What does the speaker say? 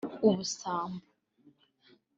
ubusambo